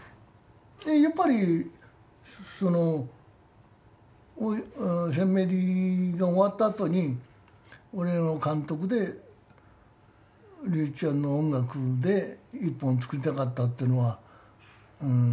やっぱりその戦メリが終わった後に俺の監督で龍一ちゃんの音楽で１本作りたかったっていうのは。